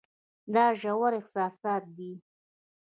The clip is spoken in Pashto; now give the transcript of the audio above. دا ژور احساسات دي.